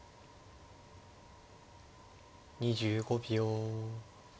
２５秒。